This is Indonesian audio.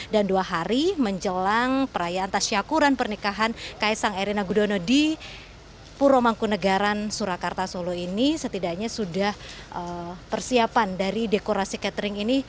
dan dua hari menjelang perayaan tasyakuran pernikahan kaiseng erina gudono di puramangkunegaraan surakarta solo ini setidaknya sudah persiapan dari dekorasi catering ini